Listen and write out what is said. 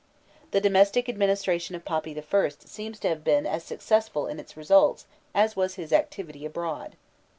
The domestic administration of Papi I. seems to have been as successful in its results, as was his activity abroad.